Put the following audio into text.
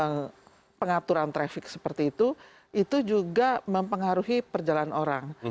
yang pengaturan traffic seperti itu itu juga mempengaruhi perjalanan orang